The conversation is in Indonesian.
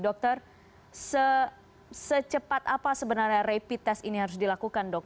dokter secepat apa sebenarnya rapid test ini harus dilakukan dok